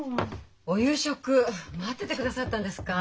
お夕食待っててくださったんですか？